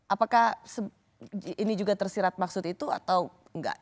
apakah ini juga tersirat maksud itu atau enggak